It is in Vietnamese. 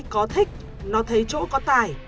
có thích nó thấy chỗ có tài